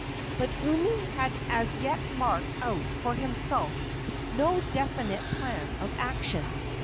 But Umi had as yet marked out for himself no definite plan of action.